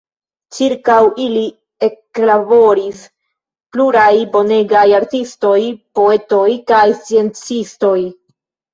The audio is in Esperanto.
Ĉirkaŭ ili eklaboris pluraj bonegaj artistoj, poetoj kaj sciencistoj.